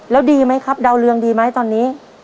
แล้วดีไหมครับดาวเรืองดีไหมตอนนี้